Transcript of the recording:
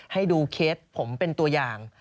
ให้ดูเคสผมเป็นตัวอย่าง